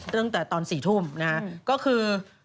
ตั้งแต่ตอน๔ทุ่มนะฮะก็คือ